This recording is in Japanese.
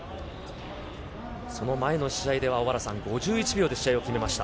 その前の試合では小原さん、５１秒で試合を決めました。